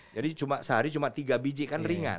jadi sehari cuma tiga biji kan ringan